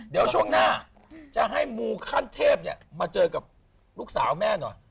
เดี๋ยวช่วงหน้าจะให้มูขั้นเทพมาเจอกับลูกสาวแม่หน่อย